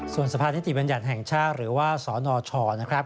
ส่วนสภานิติบัญญัติแห่งชาติหรือว่าสนชนะครับ